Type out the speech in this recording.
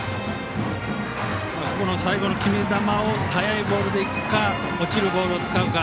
最後の決め球を速いボールでいくか落ちるボールを使うか。